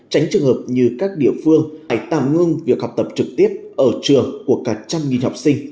tránh trường hợp như các địa phương hãy tạm ngưng việc học tập trực tiếp ở trường của cả trăm nghìn học sinh